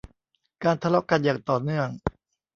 การทะเลาะกันอย่างต่อเนื่อง